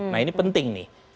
nah ini penting nih